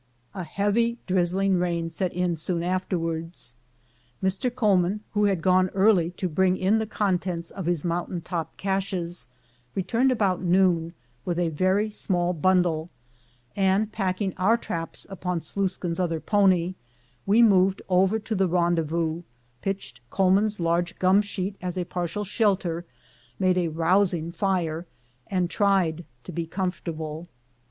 A heavy, drizzlin] rain set in soon afterwards; Mr. Coleman, who ha( gone early to bring in the contents of his mountain top caches, returned about noon with a very small bundle, and, packing our traps upon Sluiskin*s other pony, we moved over to the rendezvous, pitched Coleman's large gum sheet as a partial shelter, made a rousing fire, and tried to be comfortable.